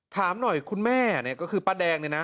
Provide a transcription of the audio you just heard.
ถามหน่อยคุณแม่เนี่ยก็คือป้าแดงเนี่ยนะ